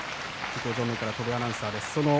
向正面から戸部アナウンサーです。